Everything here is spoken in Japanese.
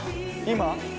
今？